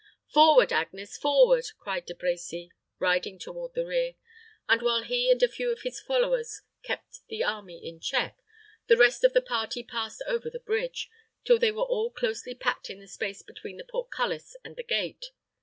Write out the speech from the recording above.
"Forward, Agnes, forward!" cried De Brecy, riding toward the rear; and while he and a few of his followers kept the enemy in check, the rest of the party passed over the bridge, till they were all closely packed in the space between the portcullis and the gate.